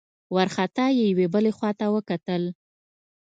وارخطا يې يوې بلې خواته وکتل.